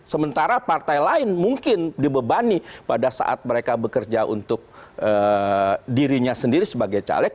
sementara partai lain mungkin dibebani pada saat mereka bekerja untuk dirinya sendiri sebagai caleg